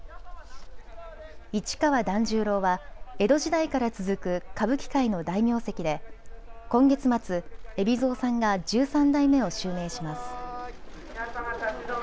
市川團十郎は江戸時代から続く歌舞伎界の大名跡で今月末、海老蔵さんが十三代目を襲名します。